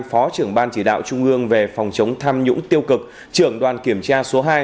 phó trưởng ban chỉ đạo trung ương về phòng chống tham nhũng tiêu cực trưởng đoàn kiểm tra số hai